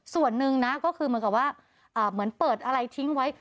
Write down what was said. ส่วนหนึ่งนะก็คือเหมือนกับว่าเหมือนเปิดอะไรทิ้งไว้